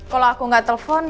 kalau aku gak telepon